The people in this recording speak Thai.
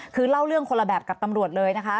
คือเล่าเรื่องคนละแบบกับตำรวจเลยนะคะ